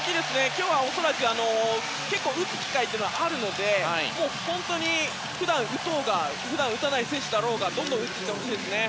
今日は恐らく結構打つ機会はあるので本当に普段打たない選手だろうがどんどん打っていってほしいですね。